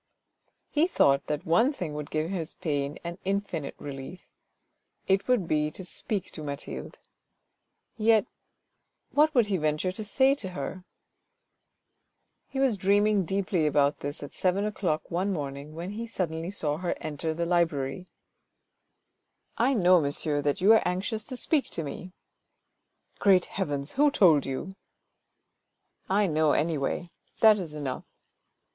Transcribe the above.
He thought that one thing would give his pain an infinite relief: it would be to speak to Mathilde. Yet what would he venture to say to her ? He was dreaming deeply about this at seven o'clock one morning when he suddenly saw her enter the library. " I know, monsieur, that you are anxious to speak to me." " Great heavens ! who told you ?"" I know, anyway ; that is enough.